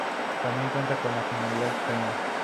Tambien cuenta con nacionalidad española.